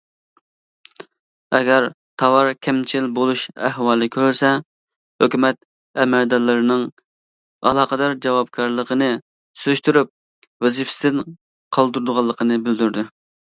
ئەگەر تاۋار كەمچىل بولۇش ئەھۋالى كۆرۈلسە، ھۆكۈمەت ئەمەلدارلىرىنىڭ ئالاقىدار جاۋابكارلىقىنى سۈرۈشتۈرۈپ، ۋەزىپىسىدىن قالدۇرىدىغانلىقىنى بىلدۈردى.